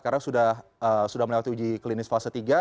karena sudah melewati uji klinis fase tiga